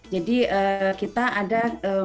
jadi kita ada